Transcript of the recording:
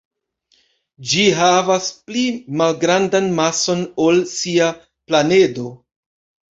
Ĝi havas pli malgrandan mason ol sia planedo.